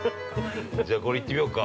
◆じゃあ、これ行ってみようか。